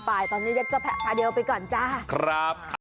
ตอนนี้เจ้าแพะตาเดียวไปก่อนจ้า